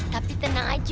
tapi tenang saja